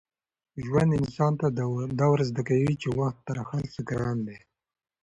ژوند انسان ته دا ور زده کوي چي وخت تر هر څه ګران دی.